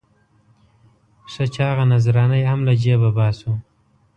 ښه چاغه نذرانه یې هم له جېبه باسو.